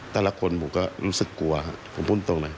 แต่ละคนผมก็รู้สึกกลัวครับผมพูดตรงเลย